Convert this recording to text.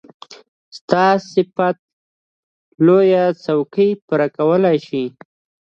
ستا صفت د لويي څوک پوره کولی شي.